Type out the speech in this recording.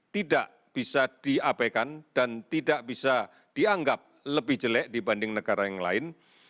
tidak bisa diabaikan dan tidak bisa dianggap lebih jelek dibanding negara yang lain